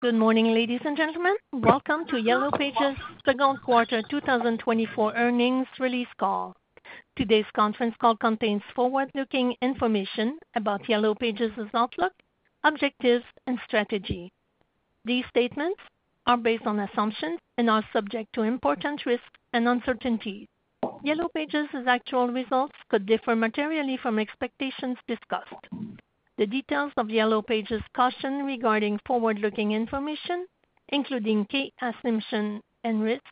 Good morning, ladies and gentlemen. Welcome to Yellow Pages second quarter 2024 earnings release call. Today's conference call contains forward-looking information about Yellow Pages' outlook, objectives, and strategy. These statements are based on assumptions and are subject to important risks and uncertainties. Yellow Pages' actual results could differ materially from expectations discussed. The details of Yellow Pages' caution regarding forward-looking information, including key assumptions and risk,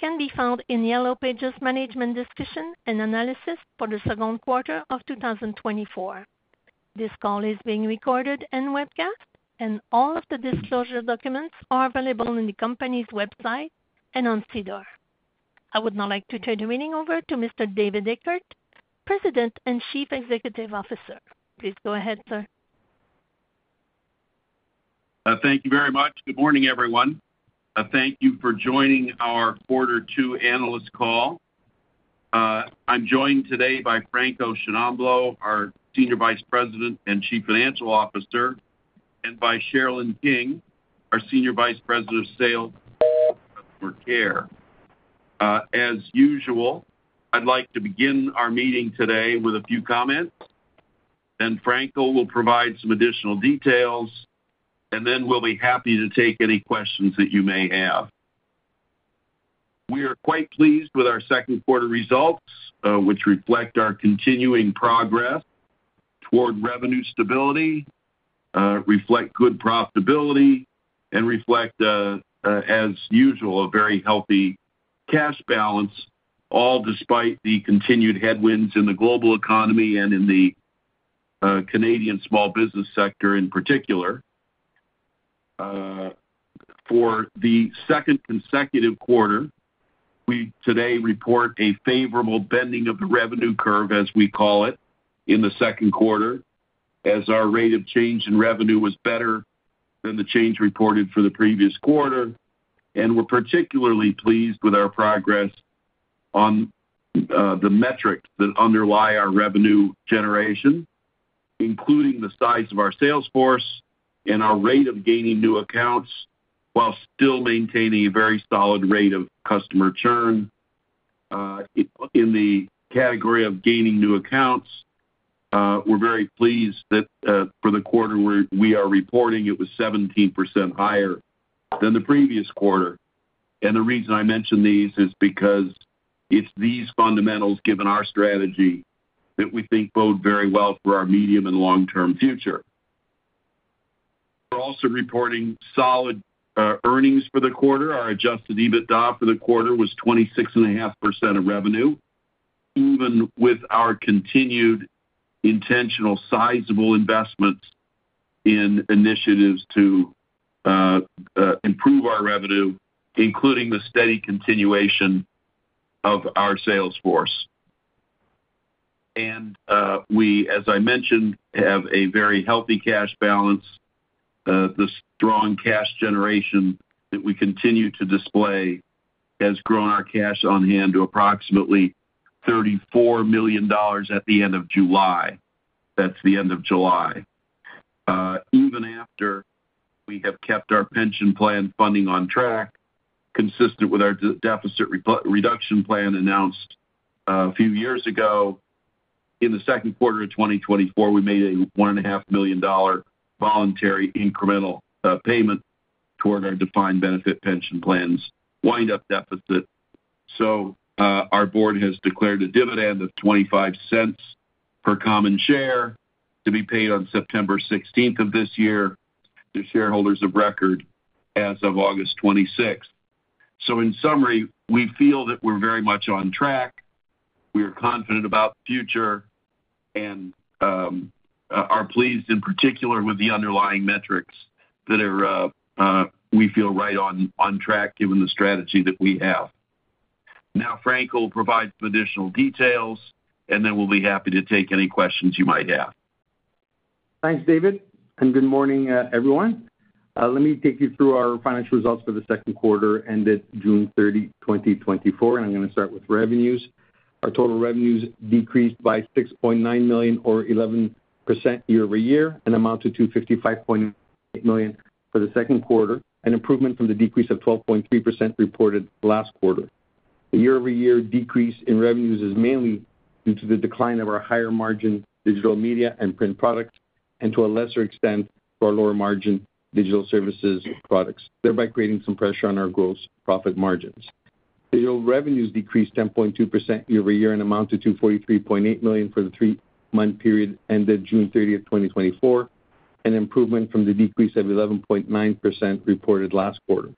can be found in Yellow Pages' management discussion and analysis for the second quarter of 2024. This call is being recorded and webcast, and all of the disclosure documents are available on the company's website and on SEDAR. I would now like to turn the meeting over to Mr. David Eckert, President and Chief Executive Officer. Please go ahead, sir. Thank you very much. Good morning, everyone. Thank you for joining our quarter two analyst call. I'm joined today by Franco Sciannamblo, our Senior Vice President and Chief Financial Officer, and by Sherilyn King, our Senior Vice President, Sales, Marketing and Customer Service. As usual, I'd like to begin our meeting today with a few comments, then Franco will provide some additional details, and then we'll be happy to take any questions that you may have. We are quite pleased with our second quarter results, which reflect our continuing progress toward revenue stability, reflect good profitability, and reflect, as usual, a very healthy cash balance, all despite the continued headwinds in the global economy and in the, Canadian small business sector in particular. For the second consecutive quarter, we today report a favorable bending of the revenue curve, as we call it, in the second quarter, as our rate of change in revenue was better than the change reported for the previous quarter, and we're particularly pleased with our progress on the metrics that underlie our revenue generation, including the size of our sales force and our rate of gaining new accounts, while still maintaining a very solid rate of customer churn. In the category of gaining new accounts, we're very pleased that for the quarter we are reporting it was 17% higher than the previous quarter. And the reason I mention these is because it's these fundamentals, given our strategy, that we think bode very well for our medium and long-term future. We're also reporting solid earnings for the quarter. Our Adjusted EBITDA for the quarter was 26.5% of revenue, even with our continued intentional, sizable investments in initiatives to improve our revenue, including the steady continuation of our sales force. We, as I mentioned, have a very healthy cash balance. The strong cash generation that we continue to display has grown our cash on hand to approximately 34 million dollars at the end of July. That's the end of July. Even after we have kept our pension plan funding on track, consistent with our deficit reduction plan announced a few years ago, in the second quarter of 2024, we made a 1.5 million dollar voluntary incremental payment toward our defined benefit pension plan's wind-up deficit. So, our board has declared a dividend of 0.25 per common share to be paid on September 16th of this year to shareholders of record as of August 26th. So in summary, we feel that we're very much on track. We are confident about the future and are pleased, in particular, with the underlying metrics that are, we feel, right on track, given the strategy that we have. Now, Franco will provide some additional details, and then we'll be happy to take any questions you might have. Thanks, David, and good morning, everyone. Let me take you through our financial results for the second quarter ended June 30, 2024, and I'm going to start with revenues. Our total revenues decreased by 6.9 million or 11% year-over-year and amount to 255 million for the second quarter, an improvement from the decrease of 12.3 reported last quarter. The year-over-year decrease in revenues is mainly due to the decline of our higher-margin digital media and print products, and to a lesser extent, to our lower-margin digital services products, thereby creating some pressure on our gross profit margins. Digital revenues decreased 10.2% year-over-year and amounted to 43.8 million for the three-month period ended June 30th, 2024, an improvement from the decrease of 11.9% reported last quarter.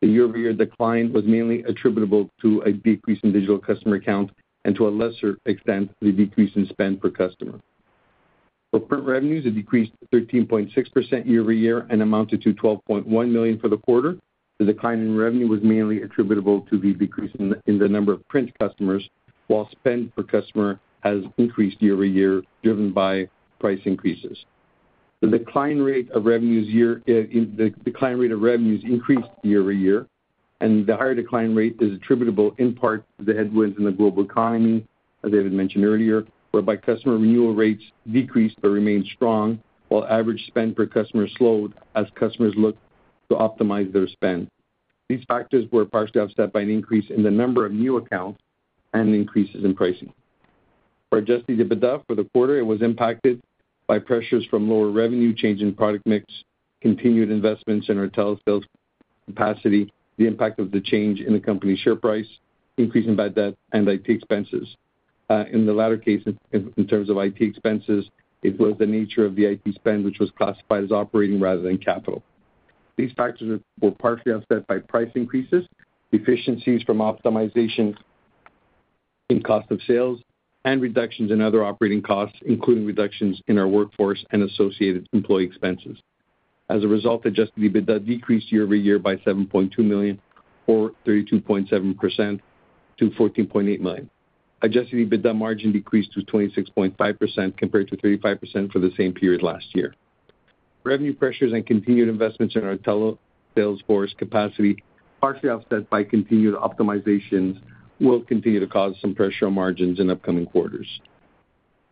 The year-over-year decline was mainly attributable to a decrease in digital customer accounts and, to a lesser extent, the decrease in spend per customer. For print revenues, it decreased 13.6% year-over-year and amounted to 12.1 million for the quarter. The decline in revenue was mainly attributable to the decrease in the number of print customers, while spend per customer has increased year-over-year, driven by price increases. The decline rate of revenues year-over-year increased year-over-year. The higher decline rate is attributable in part to the headwinds in the global economy, as David mentioned earlier, whereby customer renewal rates decreased but remained strong, while average spend per customer slowed as customers looked to optimize their spend. These factors were partially offset by an increase in the number of new accounts and increases in pricing. Our adjusted EBITDA for the quarter, it was impacted by pressures from lower revenue, change in product mix, continued investments in our telesales capacity, the impact of the change in the company's share price, increasing bad debt, and IT expenses. In the latter case, in terms of IT expenses, it was the nature of the IT spend, which was classified as operating rather than capital. These factors were partially offset by price increases, efficiencies from optimizations in cost of sales, and reductions in other operating costs, including reductions in our workforce and associated employee expenses. As a result, Adjusted EBITDA decreased year-over-year by 7.2 million, or 32.7% to 14.8 million. Adjusted EBITDA margin decreased to 26.5%, compared to 35% for the same period last year. Revenue pressures and continued investments in our telesalesforce capacity, partially offset by continued optimizations, will continue to cause some pressure on margins in upcoming quarters.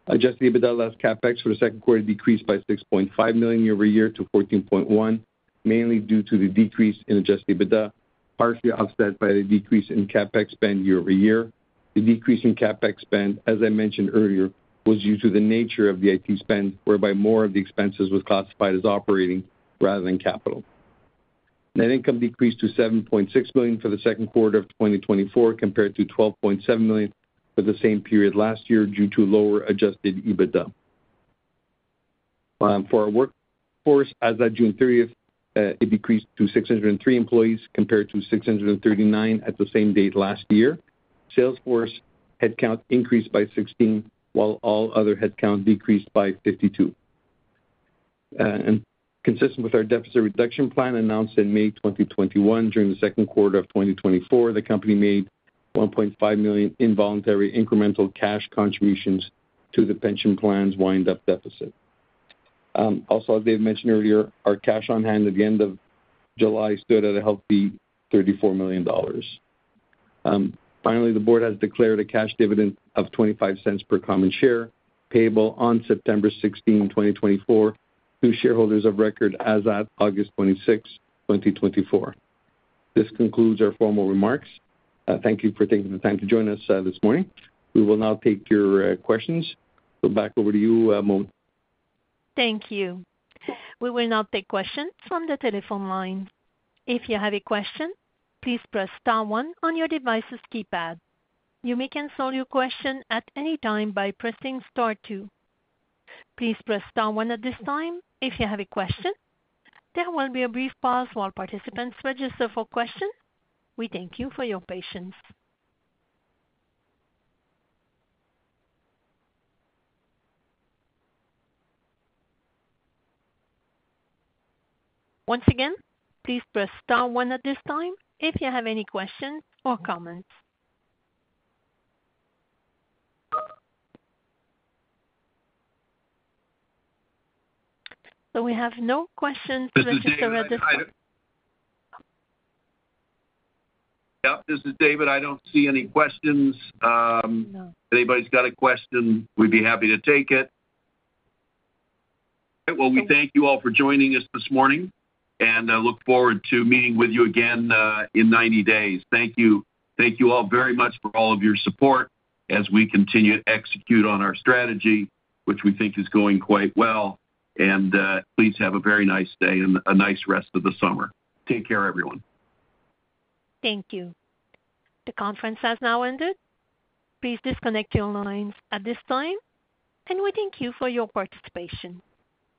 Adjusted EBITDA less CapEx for the second quarter decreased by 6.5 million year-over-year to 14.1 million, mainly due to the decrease in adjusted EBITDA, partially offset by the decrease in CapEx spend year-over-year. The decrease in CapEx spend, as I mentioned earlier, was due to the nature of the IT spend, whereby more of the expenses was classified as operating rather than capital. Net income decreased to 7.6 million for the second quarter of 2024, compared to 12.7 million for the same period last year, due to lower adjusted EBITDA. For our workforce, as of June 30th, it decreased to 603 employees compared to 639 at the same date last year. Sales force headcount increased by 16, while all other headcount decreased by 52. And consistent with our deficit reduction plan announced in May 2021, during the second quarter of 2024, the company made 1.5 million involuntary incremental cash contributions to the pension plan's wind-up deficit. Also, as Dave mentioned earlier, our cash on hand at the end of July stood at a healthy 34 million dollars. Finally, the board has declared a cash dividend of 0.25 per common share, payable on September 16, 2024, to shareholders of record as at August 26, 2024. This concludes our formal remarks. Thank you for taking the time to join us this morning. We will now take your questions. So back over to you, Mo. Thank you. We will now take questions from the telephone line. If you have a question, please press Star one on your device's keypad. You may cancel your question at any time by pressing Star two. Please press star one at this time if you have a question. There will be a brief pause while participants register for question. We thank you for your patience. Once again, please press Star one at this time if you have any questions or comments. We have no questions registered at this time. Yep, this is David. I don't see any questions. No. If anybody's got a question, we'd be happy to take it. Well, we thank you all for joining us this morning, and look forward to meeting with you again in 90 days. Thank you. Thank you all very much for all of your support as we continue to execute on our strategy, which we think is going quite well. Please have a very nice day and a nice rest of the summer. Take care, everyone. Thank you. The conference has now ended. Please disconnect your lines at this time, and we thank you for your participation.